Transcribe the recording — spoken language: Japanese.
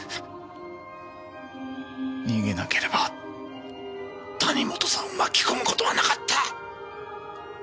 逃げなければ谷本さんを巻き込む事はなかった！！